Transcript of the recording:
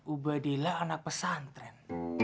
ubadillah anak pesantren